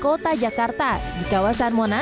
kota jakarta menjadi rumah bagi setiap orang